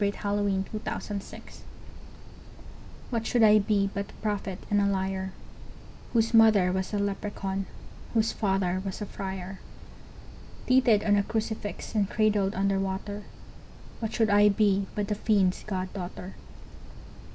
The Singing Woman from the Wood's Edge WHAT should I be but a prophet and a liar, Whose mother was a leprechaun, whose father was a friar? Teethed on a crucifix and cradled under water, What should I be but a fiend's god daughter?